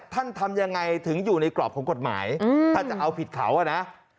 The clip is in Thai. ท่านทำยังไงถึงอยู่ในกรอบของกฎหมายถ้าจะเอาผิดเขา